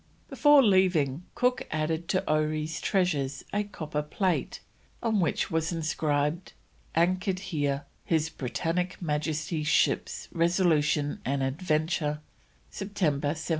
Before leaving Cook added to Oree's treasures a copper plate on which was inscribed, "Anchored here, His Britannic Majesty's Ships Resolution and Adventure, September 1773."